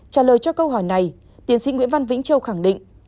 trả lời cho câu hỏi này tiến sĩ nguyễn văn vĩnh châu khẳng định